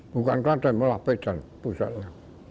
bukan kelaten malah pedan pusatnya